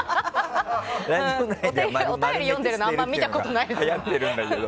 お便り読んでるのあんまり見たことないです。